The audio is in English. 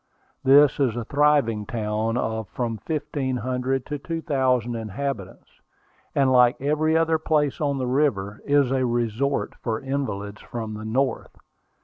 This is a thriving town of from fifteen hundred to two thousand inhabitants, and, like every other place on the river, is a resort for invalids from the North.